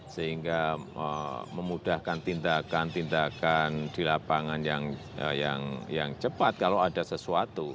sehingga memudahkan tindakan tindakan di lapangan yang cepat kalau ada sesuatu